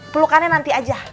pelukannya nanti aja